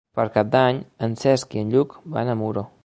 Per Cap d'Any en Cesc i en Lluc van a Muro.